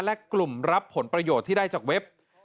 และกลุ่มรับผลประโยชน์ที่ได้จากเว็บ